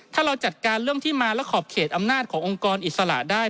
ถ้าเราจัดการเรื่องที่มาและขอบเขตอำนาจขององค์กรอิสระได้